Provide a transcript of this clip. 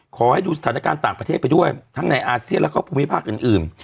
ขอให้ดูสถานการณ์ต่างประเทศไปด้วยทั้งในอาเซียนแล้วก็ภูมิภาคอื่น